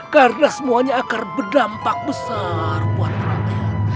karena semuanya akan berdampak besar buat rakyat